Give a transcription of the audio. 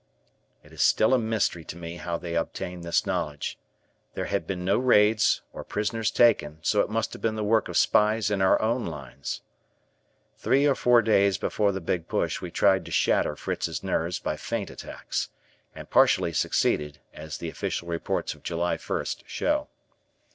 It is still a mystery to me how they obtained this knowledge. There had been no raids or prisoners taken, so it must have been the work of spies in our own lines. Three or four days before the Big Push we tried to shatter Fritz's nerves by feint attacks, and partially succeeded as the official reports of July 1st show.